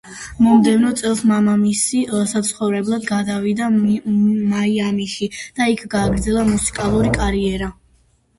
მომდევნო წელს მამამისი საცხოვრებლად გადავიდა მაიამიში და იქ გააგრძელა მუსიკალური კარიერა.